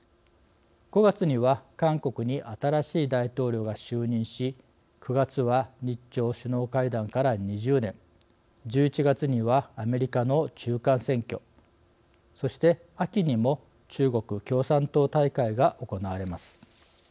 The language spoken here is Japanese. ５月には韓国に新しい大統領が就任し９月は、日朝首脳会談から２０年１１月には、アメリカの中間選挙そして秋にも、中国共産党大会が行われます。